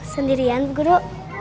sendirian bu guru